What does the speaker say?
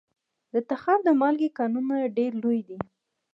د تخار د مالګې کانونه ډیر لوی دي